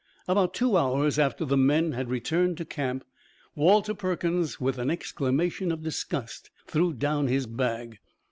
About two hours after the men had returned to camp, Walter Perkins, with an exclamation of disgust, threw down his bag.